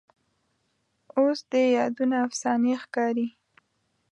اوس دې یادونه افسانې ښکاري